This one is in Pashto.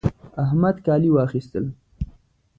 احمد کالي واخيستل